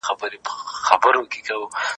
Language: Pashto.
ليکوال نه سي کولای خپل عقل پر نورو وتپي.